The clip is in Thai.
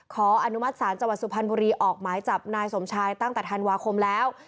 ขออนุมัติศาลจสุพพันธุ์ปรีออกไม้จับนายสมชายตั้งแต่ธันวาคมแล้ว